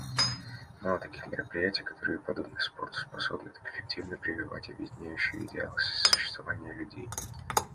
Мало таких мероприятий, которые подобно спорту способны так эффективно прививать объединяющие идеалы сосуществования людей.